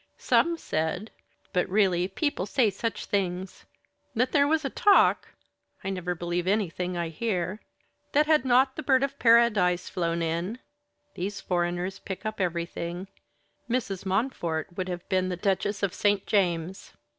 Some said (but really people say such things) that there was a talk (I never believe anything I hear) that had not the Bird of Paradise flown in (these foreigners pick up everything), Mrs. Montfort would have been the Duchess of St. James.